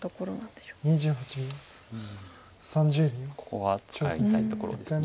ここは使いたいところです。